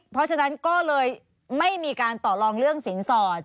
เพราะฉะนั้นก็เลยไม่มีการต่อลองเรื่องสินสอด